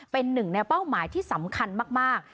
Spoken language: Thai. เป็นหนึ่งในเป้าหมายที่สำคัญมาก